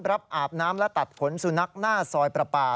อาบน้ำและตัดขนสุนัขหน้าซอยประปา